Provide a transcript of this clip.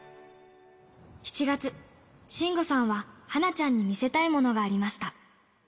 ７月、信吾さんははなちゃんに見せたいものがありました。